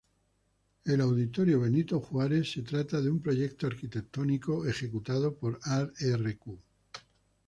El Auditorio Benito Juárez se trata de un proyecto arquitectónico ejecutado por Arq.